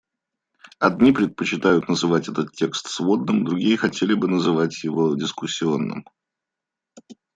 Одни предпочитают называть этот текст сводным, другие хотели бы называть его дискуссионным.